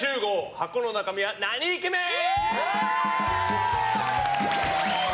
箱の中身はなにイケメン？